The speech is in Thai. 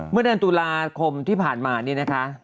เมื่อเดือนตุลาคมที่ผ่านมานี่นะคะ